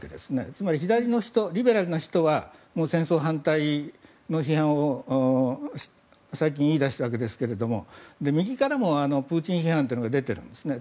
つまり左の人、リベラルな人は戦争反対の批判を最近言い出したわけですけど右からもプーチン批判が出てるんですね。